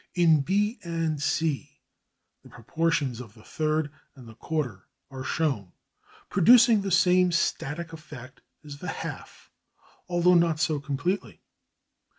C, F, I] In B and C the proportions of the third and the quarter are shown, producing the same static effect as the half, although not so completely.